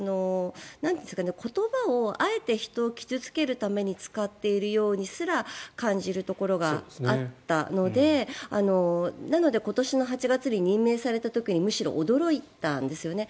言葉をあえて人を傷付けるために使っているようにすら感じるところがあったのでなので、今年の８月に任命された時にむしろ驚いたんですよね。